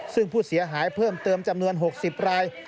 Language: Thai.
ซึ่งผู้เสียหายเพิ่มเติมจำนวน๖๐ราย